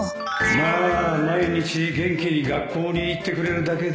まあ毎日元気に学校に行ってくれるだけでいい